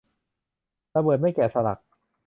ระเบิดไม่แกะสลัก